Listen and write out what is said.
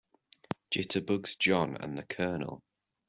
Jitterbugs JOHN and the COLONEL.